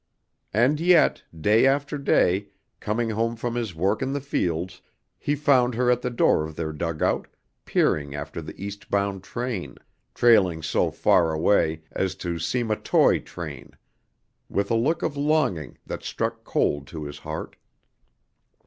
And yet, day after day, coming home from his work in the fields, he found her at the door of their dugout, peering after the east bound train, trailing so far away as to seem a toy train, with a look of longing that struck cold to his heart.